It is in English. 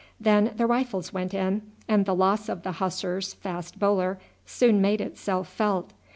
Then the Rifles went in, and the loss of the Hussars' fast bowler soon made itself felt.